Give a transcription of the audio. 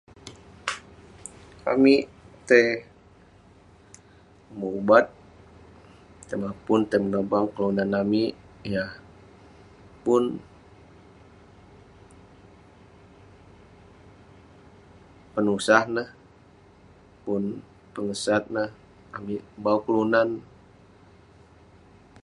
Amik tai umek ubat, tai mapun, tai menobang kelunan amik yah pun penusah neh pun pengesat neh. Amik bau kelunan.